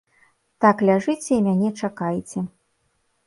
Так ляжыце і мяне чакайце.